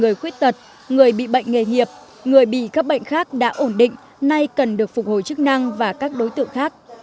điều này làm cho số tijenigen bị bệnh nghệ nghiệp người bị khắc bệnh khác đã ổn định nay cần được phục hồi chức năng và các đối tượng khác